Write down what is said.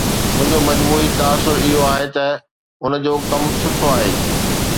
منهنجو مجموعي تاثر اهو آهي ته هن جو ڪم سٺو آهي